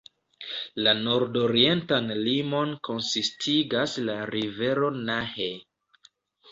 La nordorientan limon konsistigas la rivero Nahe.